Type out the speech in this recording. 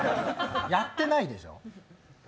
やってないでしょ。